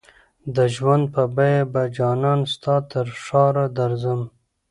د ژوند په بیه به جانانه ستا ترښاره درځم